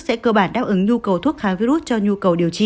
sẽ cơ bản đáp ứng nhu cầu thuốc kháng virus cho nhu cầu điều trị